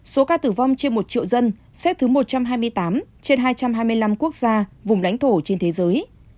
số ca tử vong trên một triệu dân xếp thứ một trăm hai mươi tám trên hai trăm hai mươi năm quốc gia vùng lãnh thổ trên thế giới